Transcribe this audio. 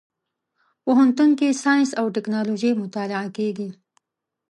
پوهنتون کې ساينس او ټکنالوژي مطالعه کېږي.